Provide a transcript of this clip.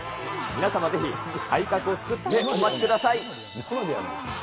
皆様ぜひ、体格を作ってお待ちください。